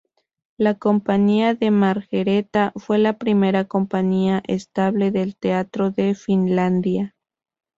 La compañía de Margareta fue la primera compañía estable de teatro en Finlandia.